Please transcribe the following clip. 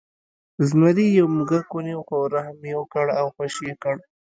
زمري یو موږک ونیو خو رحم یې وکړ او خوشې یې کړ.